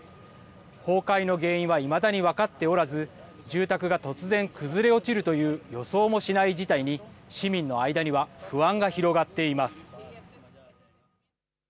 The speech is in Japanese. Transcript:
崩壊の原因はいまだに分かっておらず、住宅が突然崩れ落ちるという予想もしない事態に市民の間には不安が広がっています。